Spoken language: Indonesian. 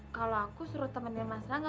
kalau aku suruh temenin mas rangga